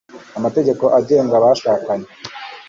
amategeko agenga abashakanye